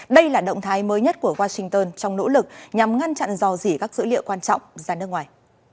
đây là động thái mới nhất của washington trong nỗ lực nhằm ngăn chặn dò dỉ các dữ liệu quan trọng ra nước ngoài